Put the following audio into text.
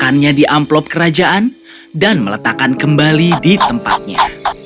makannya di amplop kerajaan dan meletakkan kembali di tempatnya